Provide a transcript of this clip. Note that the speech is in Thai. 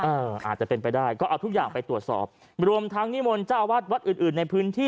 อาจจะเป็นไปได้ก็เอาทุกอย่างไปตรวจสอบรวมทั้งนิมนต์เจ้าวัดวัดอื่นอื่นในพื้นที่